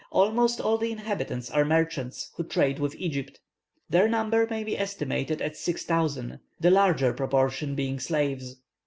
Almost all the inhabitants are merchants, who trade with Egypt. Their number may be estimated at six thousand, the larger proportion being slaves.